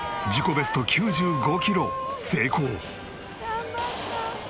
ベスト９５キロ成功。